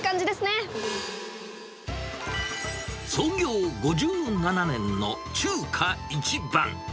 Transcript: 創業５７年の中華一番。